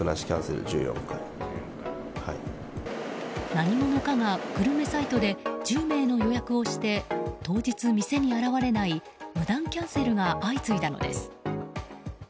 何者かがグルメサイトで１０名の予約をして当日、店に現れない無断キャンセルが相次いだのです。